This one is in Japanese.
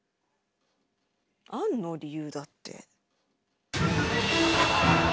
あんの理由⁉だって。